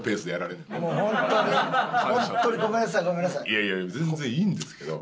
いやいや全然いいんですけど。